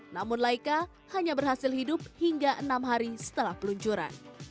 namun laika hanya berhasil hidup hingga enam hari setelah peluncuran